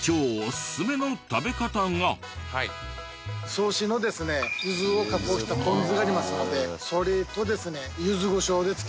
曽於市のですねゆずを加工したポン酢がありますのでそれとですね。